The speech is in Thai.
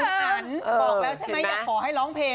บอกแล้วใช่มั้ยอยากขอให้ร้องเพลง